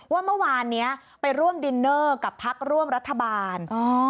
ว่าเมื่อวานนี้ไปร่วมดินเนอร์กับพักร่วมรัฐบาล